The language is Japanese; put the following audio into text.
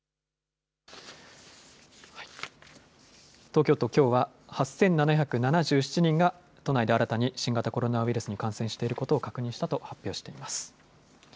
東京都、きょうは８７７７人が都内で新たに新型コロナウイルスに感染していることを確認したと発表しています。